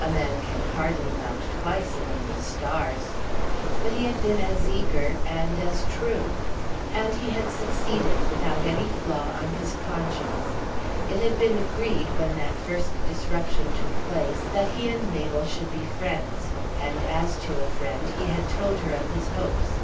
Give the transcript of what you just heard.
A man can hardly mount twice among the stars. But he had been as eager, and as true. And he had succeeded, without any flaw on his conscience. It had been agreed, when that first disruption took place, that he and Mabel should be friends; and, as to a friend, he had told her of his hopes.